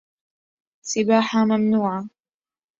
سباحة ممنوعة